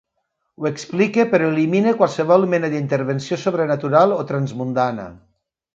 Ho explique, però elimine qualsevol mena d'intervenció sobrenatural o transmundana.